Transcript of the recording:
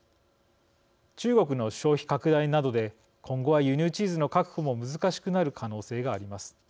中国の消費拡大などで今後は輸入チーズの確保も難しくなる可能性があります。